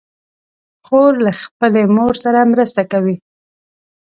خور له خپلې مور سره مرسته کوي.